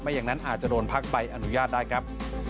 อย่างนั้นอาจจะโดนพักใบอนุญาตได้ครับ